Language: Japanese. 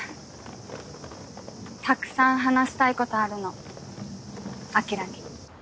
たくさん話したいことあるの晶に。